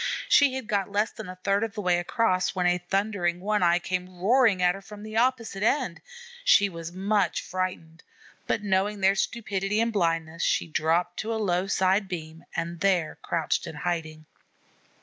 She had got less than a third of the way across when a thundering One eye came roaring at her from the opposite end. She was much frightened, but knowing their stupidity and blindness, she dropped to a low side beam and there crouched in hiding.